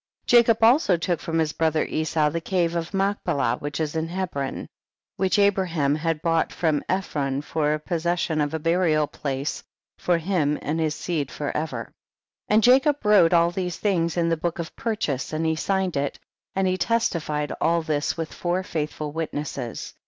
25. Jacob also took from his bro ther Esau the cave of Machpelah, which is in Hebron, which Abraham had bought from Ephron for a pos 148 THE BOOK OF JASHER. session of a burial place for him and his seed for ever. 26. And Jacob wrote all these things in the book of purchase, and he signed it, and he testified all this with four faithful witnesses.